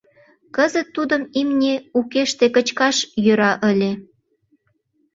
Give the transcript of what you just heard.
Кызыт тудым имне укеште кычкаш йӧра ыле.